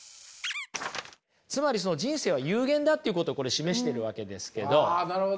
つまり人生は有限だっていうことをこれ示しているわけですけど。